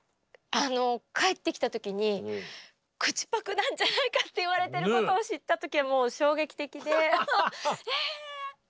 帰ってきた時に口パクなんじゃないかって言われてることを知った時はもう衝撃的でえって。